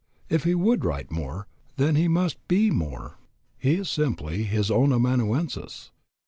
If he would write more, then he must be more. He is simply his own amanuensis.